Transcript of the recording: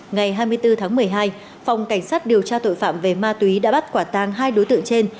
ngày hai mươi bốn tháng một mươi hai phòng cảnh sát điều tra tội phạm về ma túy đã bắt quả tang hai đối tượng trên